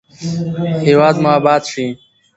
هیواد مو اباد شي.